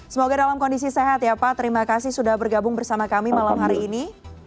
semoga dalam kondisi sehat ya pak terima kasih sudah bergabung bersama kami malam hari ini